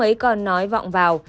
tôi ông ấy còn nói vọng vào